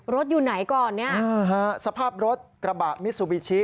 รถอยู่ไหนก่อนสภาพรถกระบะมิซูบิชิ